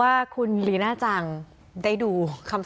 แล้วอันนี้ก็เปิดแล้ว